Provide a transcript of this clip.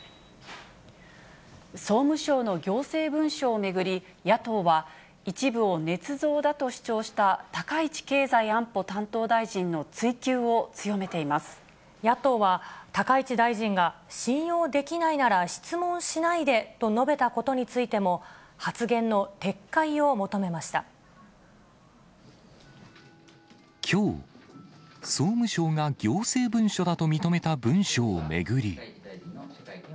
総務省の行政文書を巡り、野党は、一部をねつ造だと主張した高市経済安保担当大臣の追及を強めてい野党は、高市大臣が信用できないなら質問しないでと述べたことについても、きょう、総務省が行政文書だと認めた文書を巡り。